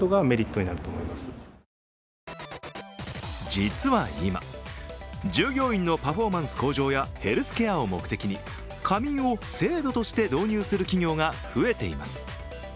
実は今、従業員のパフォーマンス向上やヘルスケアを目的に仮眠を制度として導入する企業が増えています。